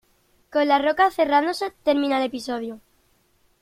Con la roca cerrándose, termina el episodio.